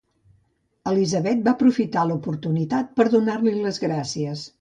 Elizabeth va aprofitar l'oportunitat per donar-li les gràcies.